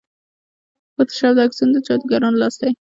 فوټوشاپ د عکسونو د جادوګرانو لاس دی.